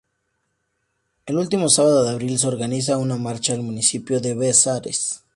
El último sábado de abril se organiza una marcha al municipio de Bezares.